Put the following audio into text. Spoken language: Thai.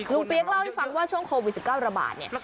เปี๊ยกเล่าให้ฟังว่าช่วงโควิด๑๙ระบาดเนี่ย